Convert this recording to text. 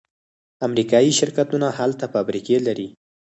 امریکایی شرکتونه هلته فابریکې لري.